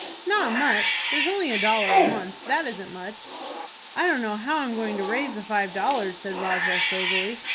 "Not much. There's only a dollar a month. That isn't much." "I don't know how I'm going to raise the five dollars," said Roswell, soberly.